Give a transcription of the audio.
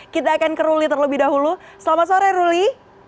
kita akan ke ruli terlebih dahulu selamat sore ruli